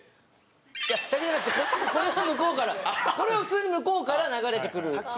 いや滝じゃなくてこれは向こうからこれは普通に向こうから流れてくる横に座っての。